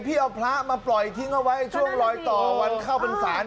พี่เอาพระมาปล่อยทิ้งเอาไว้ช่วงลอยต่อวันเข้าพรรษา